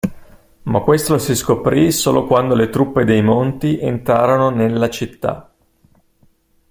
Ma questo lo si scoprì solo quando le truppe dei Monti entrarono nella città.